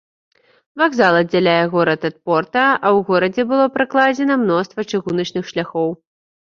Вакзал аддзяляе горад ад порта, а ў горадзе было пракладзена мноства чыгуначных шляхоў.